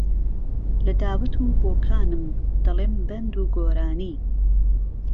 له داوهت و بووکانم دهڵێم بهند و گۆرانی